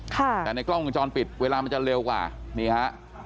แต่ในกล้องวงจรปิดเวลามันจะเร็วกว่านี่ฮะ